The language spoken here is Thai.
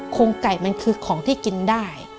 โครงไก่มันคือของที่กินได้